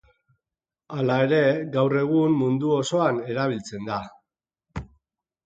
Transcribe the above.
Hala ere, gaur egun mundu osoan erabiltzen da.